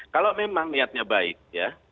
kalau memang niatnya baik ya